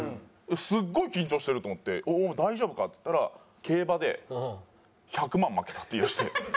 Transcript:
すっごい緊張してると思って「おい大丈夫か？」って言ったら「競馬で１００万負けた」って言いだして。